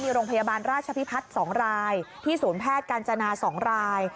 มีโรงพยาบาลราชพิพัฒน์๒รายที่ศูนย์แพทย์กาญจนา๒ราย